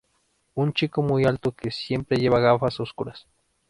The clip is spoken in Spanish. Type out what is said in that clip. Un chico muy alto que siempre lleva gafas oscuras.